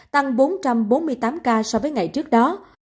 tăng bốn trăm bốn mươi tám ca so với ngày trước đó